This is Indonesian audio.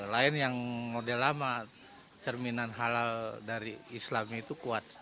lain yang model lama cerminan halal dari islam itu kuat